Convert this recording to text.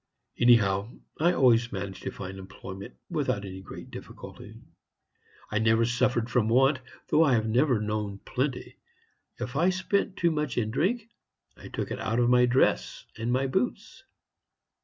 Anyhow, I always managed to find employment without any great difficulty. I never suffered from want, though I have never known plenty. If I spent too much in drink, I took it out of my dress and my boots.